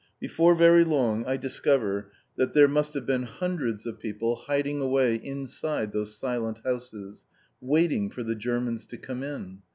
Before very long I discover that there must have been hundreds of people hiding away inside those silent houses, waiting for the Germans to come in.